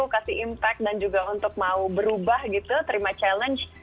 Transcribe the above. kasih impact dan juga untuk mau berubah gitu terima challenge